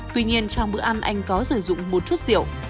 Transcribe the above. tuy nhiên trong bữa ăn anh có sử dụng một chút rượu